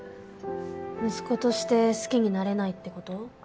息子として好きになれないって事？